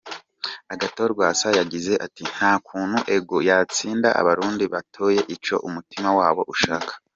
Agathon Rwasa yagize ati: "Nta kuntu 'ego' yotsinda Abarundi batoye ico umutima wabo ushaka.